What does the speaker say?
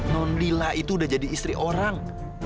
nondila itu udah jadi istri orang